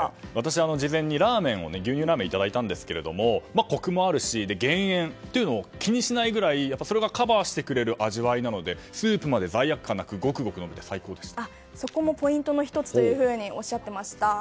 事前に牛乳ラーメンをいただいたんですけどコクもあるし減塩というのを気にしないくらいカバーしてくれる味わいなのでスープまで罪悪感なくごくごく飲めてそこもポイントの１つとおっしゃっていました。